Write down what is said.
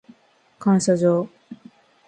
感謝状